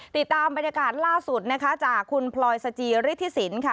ติดตามบรรยากาศล่าสุดนะครับจากคุณพลอยสจีริฐศิลป์ค่ะ